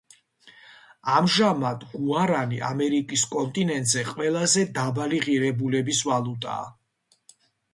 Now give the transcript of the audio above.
ამჟამად, გუარანი ამერიკის კონტინენტზე ყველაზე დაბალი ღირებულების ვალუტაა.